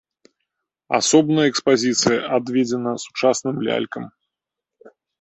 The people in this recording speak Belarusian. Асобная экспазіцыя адведзена сучасным лялькам.